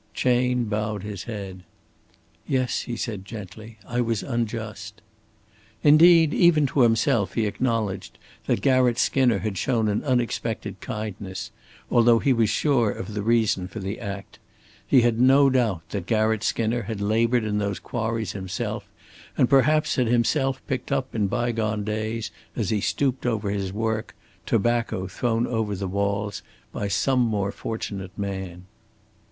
Chayne bowed his head. "Yes," he said, gently. "I was unjust." Indeed even to himself he acknowledged that Garratt Skinner had shown an unexpected kindness, although he was sure of the reason for the act. He had no doubt that Garratt Skinner had labored in those quarries himself, and perhaps had himself picked up in bygone days, as he stooped over his work, tobacco thrown over the walls by some more fortunate man.